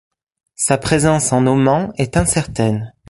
Sa présence en Oman est incertaine.